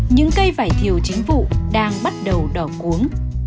những cây vải thiều chính vụ đang bắt đầu đỏ uống